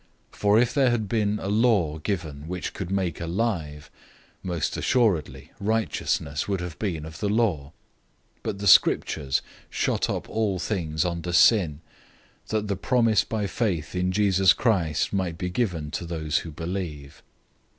For if there had been a law given which could make alive, most certainly righteousness would have been of the law. 003:022 But the Scriptures imprisoned all things under sin, that the promise by faith in Jesus Christ might be given to those who believe.